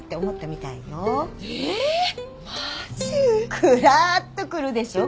くらっとくるでしょ？